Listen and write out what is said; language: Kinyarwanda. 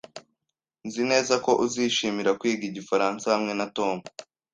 Nzi neza ko uzishimira kwiga Igifaransa hamwe na Tom